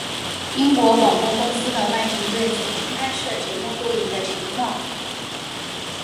英国广播公司的外景队曾经拍摄节目录影的情况。